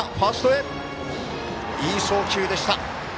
いい送球でした。